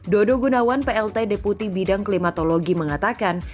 dodo gunawan plt deputi bidang klimatologi mengatakan